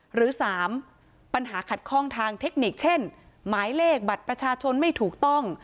หรือ๓ปัญหาขัดข้องทางเทคนิคเช่นหมายเลขบัตรประชาชนไม่ถูกต้อง